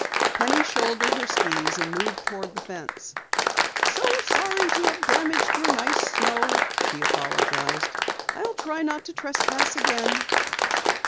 Penny shouldered her skis and moved toward the fence. "So sorry to have damaged your nice snow," she apologized. "I'll try not to trespass again."